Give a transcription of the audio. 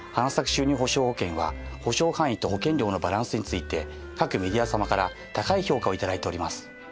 収入保障保険は保障範囲と保険料のバランスについて各メディア様から高い評価を頂いております。